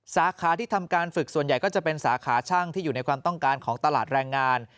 สาขาที่ทำการฝึกส่วนใหญ่ก็จะเป็นสาขาช่างที่อยู่ในความต้องการของตลาดแรงงาน